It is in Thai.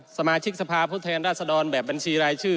สมาชิกสภาพผู้แทนราชดรแบบบัญชีรายชื่อ